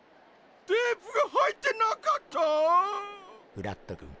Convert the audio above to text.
フラットくん。